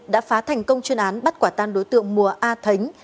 đã phá thành công chuyên án bắt quả tan đối tượng mùa a thính